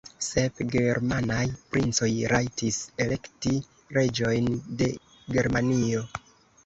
Sep germanaj princoj rajtis elekti reĝojn de Germanio.